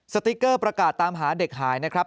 สติ๊กเกอร์ประกาศตามหาเด็กหายนะครับ